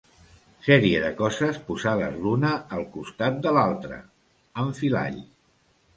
Sèrie de coses posades l'una al costat de l'altra, enfilall.